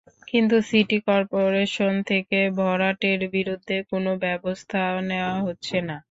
কিন্তু city corporation থেকে ভরাটের বিরুদ্ধে কোনো ব্যবস্থা নেওয়া হচ্ছে না।